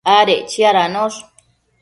adec chiadanosh